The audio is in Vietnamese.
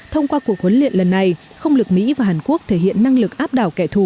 thông qua cuộc huấn luyện lần này không lực mỹ và hàn quốc thể hiện năng lực áp đảo kẻ thù